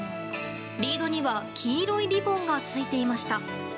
リードには黄色いリボンが付いていました。